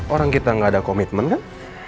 orang kita gak ada komitmen kan